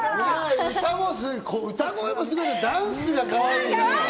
歌声もすごいけど、ダンスがかわいい！